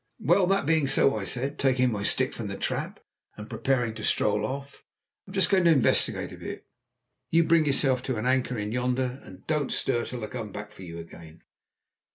"Well, that being so," I said, taking my stick from the trap, and preparing to stroll off, "I'm just going to investigate a bit. You bring yourself to an anchor in yonder, and don't stir till I come for you again."